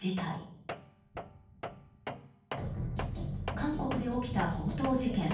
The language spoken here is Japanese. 韓国で起きた強盗事件。